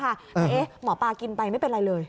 แต่หมอปลากินไปไม่เป็นไรเลย